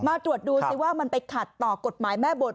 มาตรวจดูสิว่ามันไปขัดต่อกฎหมายแม่บท